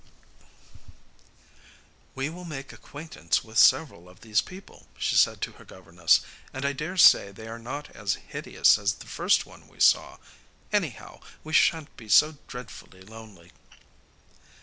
'We will make acquaintance with several of these people,' she said to her governess, 'and I dare say they are not all as hideous as the first one we saw. Anyhow, we shan't be so dreadfully lonely.